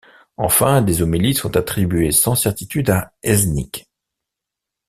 Enfin, des homélies sont attribuées sans certitude à Eznik.